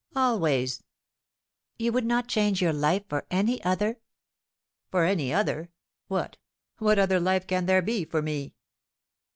"Always." "You would not change your life for any other?" "For any other? What what other life can there be for me?"